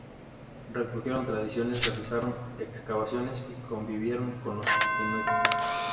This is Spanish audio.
Recogieron tradiciones, realizaron excavaciones y convivieron con los inuit.